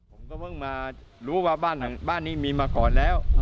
ผมก็เพิ่งมารู้ว่าบ้านนี้มีมาก่อนแล้ว